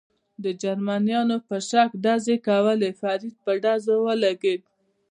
د جرمنیانو په شک ډزې کولې، فرید په ډزو ولګېد.